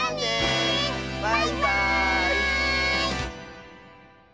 バイバーイ！